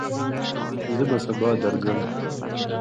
زه سبا درځم